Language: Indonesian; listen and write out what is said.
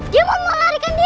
dia mau melarikan diri